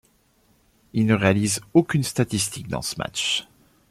Il ne réalise aucune statistique dans ce match.